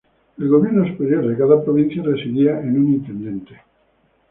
El gobierno superior de cada provincia residía en un Intendente.